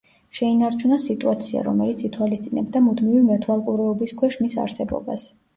შეინარჩუნა სიტუაცია, რომელიც ითვალისწინებდა „მუდმივი მეთვალყურეობის“ ქვეშ მის არსებობას.